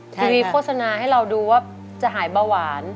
ทีวีโฆษณาให้เราดูว่าจะหายเบาหวาน